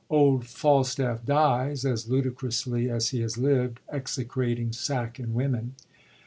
Old Falstaff dies, as ludicrously as he has lived, execrating sack and women.